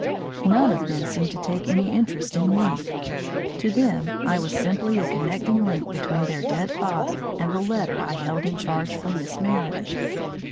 None of them seemed to take any interest in me. To them I was simply a connecting link between their dead father and the letter I held in charge for Miss Meredith.